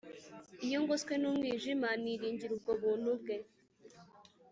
Iyo ngoswe n’umwijima niringira ubwo buntu bwe